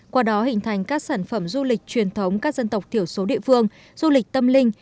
qua đó hình thành các sản phẩm du lịch truyền thống các dân tộc thiểu số địa phương du lịch tâm linh